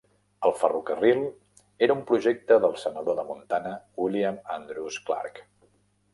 El ferrocarril era un projecte del senador de Montana William Andrews Clark.